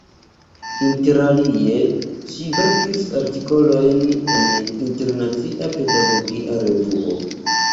Interalie ŝi verkis artikolojn en "Internacia Pedagogia Revuo.